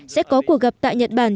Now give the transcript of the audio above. sẽ có cuộc gặp tại nhật bản